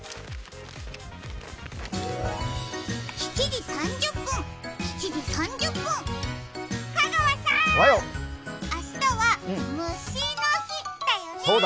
７時３０分、７時３０分、香川さーん、明日は虫の日だよね。